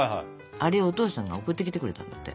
あれお父さんが送ってきてくれたんだって。